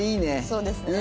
そうですね。